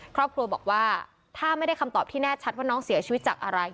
ครอบครัวบอกว่าถ้าไม่ได้คำตอบที่แน่ชัดว่าน้องเสียชีวิตจากอะไร